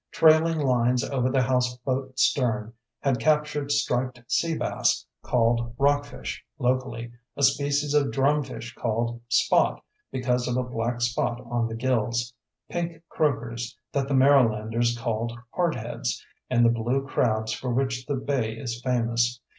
Trailing lines over the houseboat stern had captured striped sea bass, called "rockfish" locally, a species of drumfish called "spot" because of a black spot on the gills, pink croakers that the Marylanders called "hardheads," and the blue crabs for which the bay is famous.